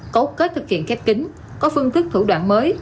cấu kết thực hiện khép kính có phương thức thủ đoạn mới